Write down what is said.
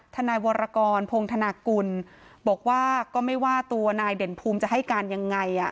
ทนายวรกรพงธนากุลบอกว่าก็ไม่ว่าตัวนายเด่นภูมิจะให้การยังไง